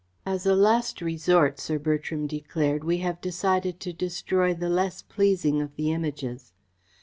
"As a last resort," Sir Bertram declared, "we have decided to destroy the less pleasing of the Images."